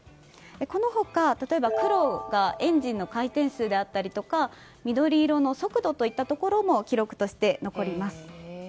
この他、例えば黒がエンジンの回転数であったり緑色の速度といったところも記録として残ります。